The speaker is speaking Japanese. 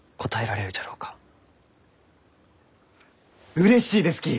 うれしいですき。